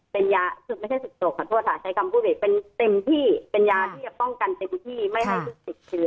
เป็นยาที่จะป้องกันเต็มที่ไม่ให้ลูกติดเชื้อ